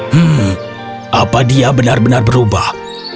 hmm apa dia benar benar berubah